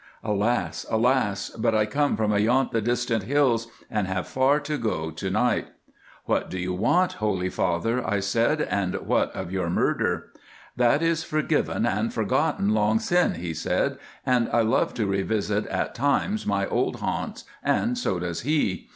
Alas! alas! but I come from ayont the distant hills and have far to go to night.' "'What do you want, Holy Father?' I said, 'and what of your murder?' "'That is forgiven and forgotten long syne,' he said, 'and I love to revisit, at times, my old haunts, and so does he.